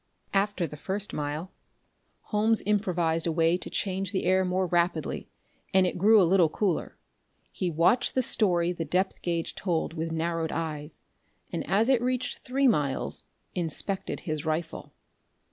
After the first mile Holmes improvised a way to change the air more rapidly, and it grew a little cooler. He watched the story the depth gauge told with narrowed eyes, and, as it reached three miles, inspected his rifle.